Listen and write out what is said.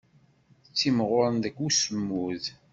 Ttimɣuren deg usmud.